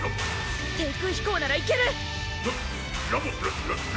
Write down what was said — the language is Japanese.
低空飛行ならいける！